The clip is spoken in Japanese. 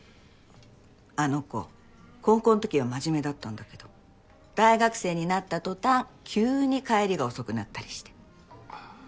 あの子高校の時は真面目だったんだけど大学生になった途端急に帰りが遅くなったりして。